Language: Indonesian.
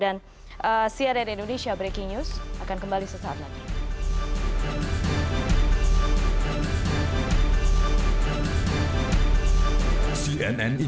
dan cnn indonesia breaking news akan kembali sesaat lagi